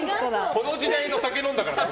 この時代の酒、飲んだから。